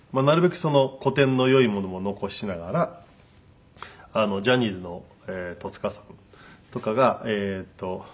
なるべく古典の良いものも残しながらジャニーズの戸塚さんとかが。